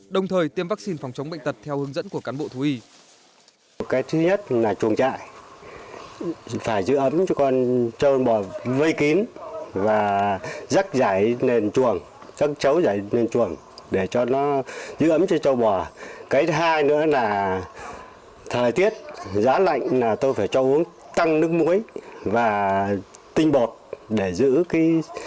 đồng thời tiêm vaccine phòng chống bệnh tật theo hướng dẫn của cán bộ thú y